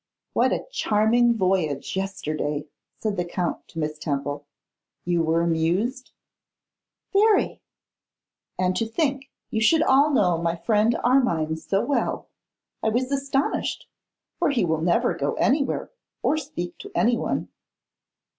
'What a charming voyage yesterday,' said the Count to Miss Temple. 'You were amused?' 'Very.' 'And to think you should all know my friend Armine so well! I was astonished, for he will never go anywhere, or speak to anyone.